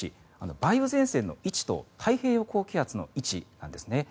梅雨前線の位置と太平洋高気圧の位置なんですね。